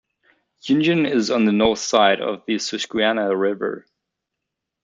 Union is on the north side of the Susquehanna River.